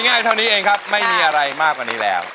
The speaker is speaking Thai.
ง่ายเท่านี้เองครับไม่มีอะไรมากกว่านี้แล้ว